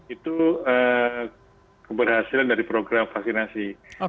itu keberhasilan dari program vaksinasi